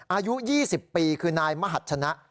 อายุ๒๐ปีคือนายมหัชนะ